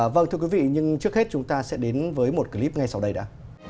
vâng thưa quý vị nhưng trước hết chúng ta sẽ đến với một clip ngay sau đây đã